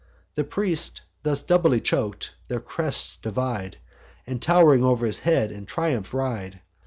The priest thus doubly chok'd, their crests divide, And tow'ring o'er his head in triumph ride.